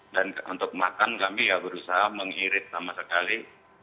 dan untuk makan kami ya berusaha mengirit sama sekali